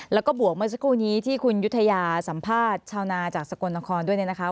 แล้วก็บวกเมื่อสักครู่นี้ที่คุณยุธยาสัมภาษณ์ชาวนาจากสกลนครด้วยเนี่ยนะคะ